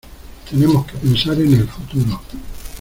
Tenemos que pensar en el futuro.